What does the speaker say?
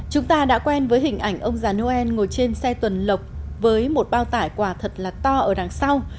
chúng ta đã quen với hình ảnh ông già noel ngồi trên xe tuần lộc với một bao tải quả thật là to ở đằng sau